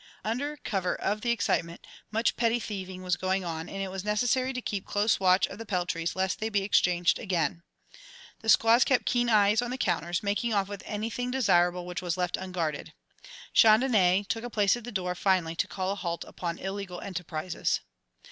Under cover of the excitement, much petty thieving was going on, and it was necessary to keep close watch of the peltries, lest they be exchanged again. The squaws kept keen eyes on the counters, making off with anything desirable which was left unguarded. Chandonnais took a place at the door, finally, to call a halt upon illegal enterprises.